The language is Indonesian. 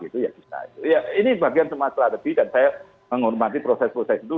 ini bagian cuma strategi dan saya menghormati proses proses itu